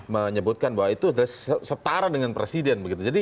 menyebutkan bahwa itu setara dengan presiden begitu